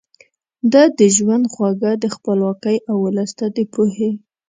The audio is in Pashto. ده د ژوند خواږه د خپلواکۍ او ولس ته د پوهې